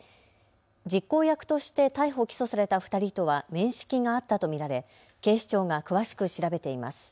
実行役として逮捕・起訴された２人とは面識があったと見られ警視庁が詳しく調べています。